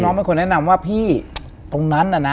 เป็นคนแนะนำว่าพี่ตรงนั้นน่ะนะ